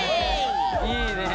いいねえ。